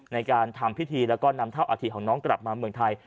ในการทำพิธีและให้เจ้านำเท่าำปธิตร์กลับมาเมืองไทย